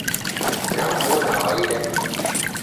Namw'ona waida.